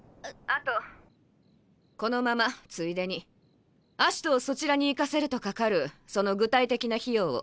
あとこのままついでに葦人をそちらに行かせるとかかるその具体的な費用を。